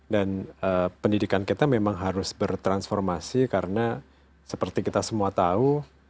dan pendidikan kita memang harus bertransformasi karena seperti kita semua tahu